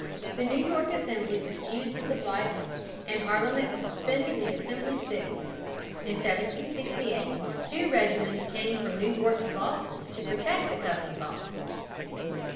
The New York Assembly refused to supply them, and Parliament suspended the Assembly's sittings. In 1768 two regiments came from New York to Boston to protect the customs officers.